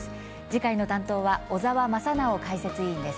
次回の担当は小澤正修解説委員です。